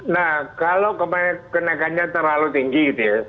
nah kalau kenaikannya terlalu tinggi gitu ya